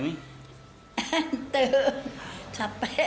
mungkin saya harus masuk ke situ